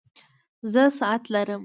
زه ساعت لرم